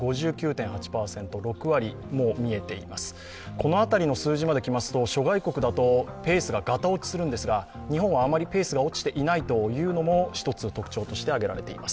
この辺りの数字まできますと諸外国ですとペースがガタ落ちになるんですが日本はあまりペースが落ちていないのも１つ特徴として挙げられています。